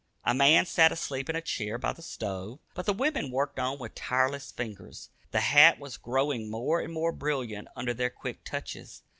A man sat asleep in a chair by the stove, but the women worked on with tireless fingers. The hat was growing more and more brilliant under their quick touches.